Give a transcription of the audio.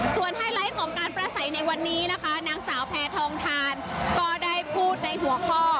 ส่วนไฮไลท์ของการประสัยในวันนี้นะคะนางสาวแพทองทานก็ได้พูดในหัวข้อ